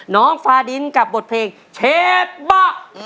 น้องฟ้าดินกับบทเพลงเชฟบะ